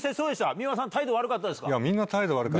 三輪さん態度悪かったですか？